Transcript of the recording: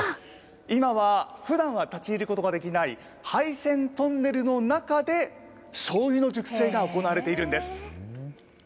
今は、ふだんは立ち入ることができない、廃線トンネルの中で、しょうゆの熟成が行われているんです。